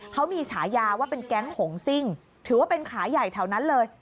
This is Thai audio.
เขามีฉายาว่าเป็นแก๊งหงซิ่งถือว่าเป็นขายใหญ่แถวนั้นเลย